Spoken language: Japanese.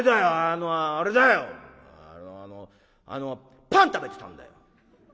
あのあのあのパン食べてたんだよ！」。